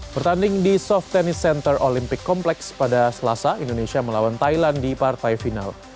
bertanding di soft tennis center olympic kompleks pada selasa indonesia melawan thailand di partai final